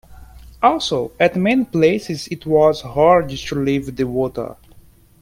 Also, at many places it was hard to leave the water.